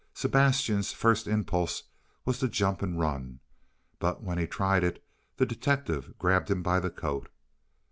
Sebastian's first impulse was to jump and run, but when he tried it the detective grabbed him by the coat.